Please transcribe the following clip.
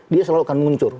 dia selalu akan muncul